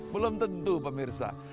belum tentu pemirsa